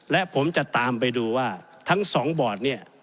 และผมจะตามไปดูว่าทั้งสองบอร์ดเนี่ย